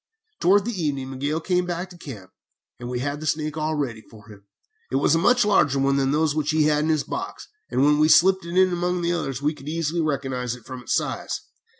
"Towards evening Miguel came back to camp, and we had the snake all ready for him. It was a much larger one than those which he had in his box, and when we slipped it in among the others we could easily recognize it from its size.